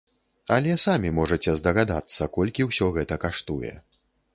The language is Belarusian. Але самі можаце здагадацца, колькі ўсё гэта каштуе.